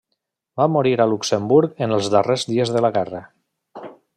Va morir a Luxemburg en els darrers dies de la guerra.